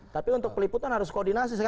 tapi untuk peliputan harus koordinasi